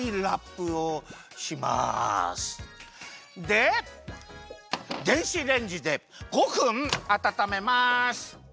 で電子レンジで５分あたためます。